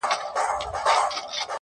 هېڅ له دار او لۀ دارا مې وېره نۀ شي